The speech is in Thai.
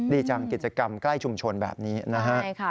ดีจังกิจกรรมใกล้ชุมชนแบบนี้นะฮะ